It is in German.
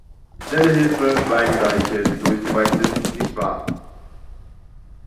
Schnelle Hilfe, weil die Deiche, die durchgeweicht sind, nicht warten.